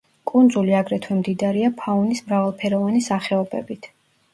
კუნძული აგრეთვე მდიდარია ფაუნის მრავალფეროვანი სახეობებით.